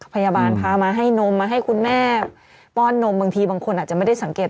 พยาบาลพามาให้นมมาให้คุณแม่ป้อนนมบางทีบางคนอาจจะไม่ได้สังเกต